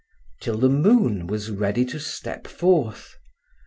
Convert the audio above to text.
Till the moon was ready to step forth.